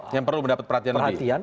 yang perlu mendapat perhatian perhatian